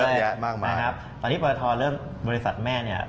เยอะแยะมากมายนะครับตอนนี้ปรทเริ่มบริษัทแม่เนี่ย